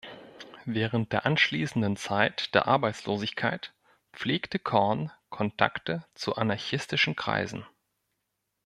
Während der anschließenden Zeit der Arbeitslosigkeit pflegte Korn Kontakte zu anarchistischen Kreisen.